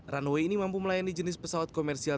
runway ini mampu melayani jenis pesawat komersial